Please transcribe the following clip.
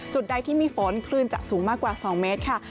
ใดที่มีฝนคลื่นจะสูงมากกว่า๒เมตรค่ะ